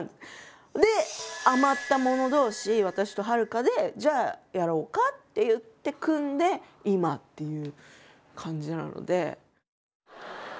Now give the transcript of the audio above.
で余った者同士私とはるかでじゃあやろうかって言って組んで今っていう感じなので。